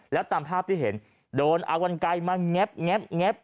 และตามภาพที่เห็นโดนอวันไกลมาแง๊บแง๊บแง๊บ